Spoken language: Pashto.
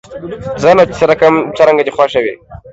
ځه نو، چې څرنګه دې خوښه وي.